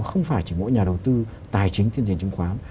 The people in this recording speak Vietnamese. không phải chỉ mỗi nhà đầu tư tài chính thiên diện chứng khoán